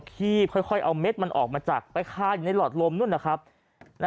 ขี้ค่อยเอาเม็ดมันออกมาจากไปคาอยู่ในหลอดลมนู่นนะครับ